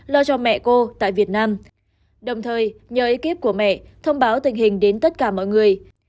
lo cho mẹ cô tại việt nam đồng thời nhờ ekip của mẹ thông báo tình hình đến tất cả mọi người